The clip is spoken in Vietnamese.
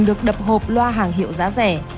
được đập hộp loa hàng hiệu giá rẻ